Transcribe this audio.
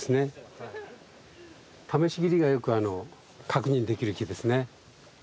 試し切りがよく確認できる木ですね。